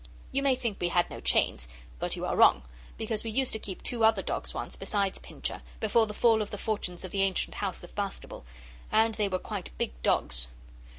You may think we had no chains, but you are wrong, because we used to keep two other dogs once, besides Pincher, before the fall of the fortunes of the ancient House of Bastable. And they were quite big dogs.